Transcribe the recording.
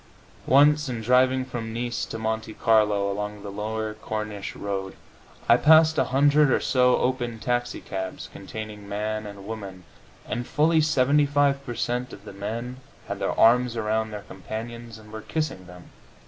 Once, in driving from Nice to Monte Carlo along the lower Corniche road, I passed a hundred or so open taxicabs containing man and woman, and fully 75 per cent. of the men had their arms around their companions, and were kissing them.